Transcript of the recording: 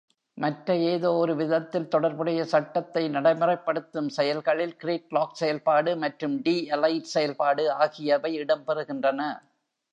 மற்ற, ஏதோ ஒருவிதத்தில் தொடர்புடைய, சட்டத்தை நடைமுறைப்படுத்தும் செயல்களில் கிரிட்லாக் செயல்பாடு மற்றும் D-எலைட் செயல்பாடு ஆகியவை இடம்பெறுகின்றன.